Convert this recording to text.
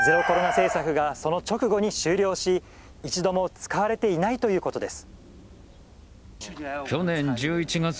政策がその直後に終了し一度も使われていないということです。